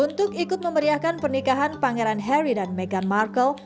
untuk ikut memeriahkan pernikahan pangeran harry dan meghan markle